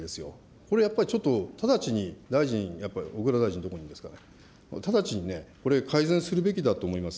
これ、やっぱり直ちに大臣、やっぱり、小倉大臣、どこにいるんですかね、直ちにね、これ、改善するべきだと思います。